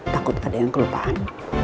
takut ada yang kelupaan